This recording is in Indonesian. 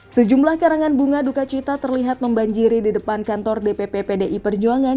sejumlah karangan bunga duka cita terlihat membanjiri di depan kantor dpp pdi perjuangan